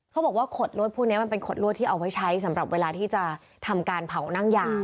เขาบอกว่าขดลวดพวกนี้มันเป็นขดลวดที่เอาไว้ใช้สำหรับเวลาที่จะทำการเผานั่งยา